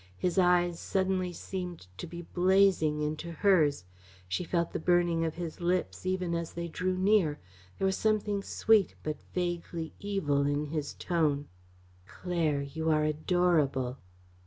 His eyes suddenly seemed to be blazing into hers. She felt the burning of his lips even as they drew near. There was something sweet but vaguely evil in his tone. "Claire, you are adorable!"